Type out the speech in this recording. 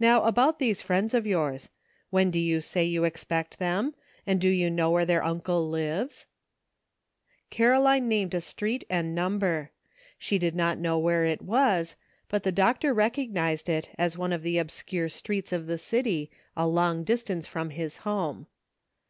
Now about these friends of yours. When do you say you expect them? and do you know where their uncle lives ?" Caroline named a street and number. She did not know where it was, but the doctor recognized it as one of the obscure streets of the city, a long distance from his home.